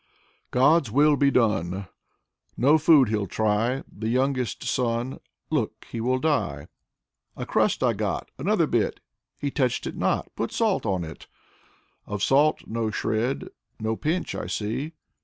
God's will be donel No food he'll try, The youngest son — Look, he will die. A crust I got, Another bit — He touched it not: "Put salt on it!" Of salt no shred, No pinch I see!